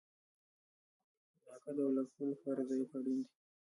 د عقد او لغوه کولو لپاره رضایت اړین دی.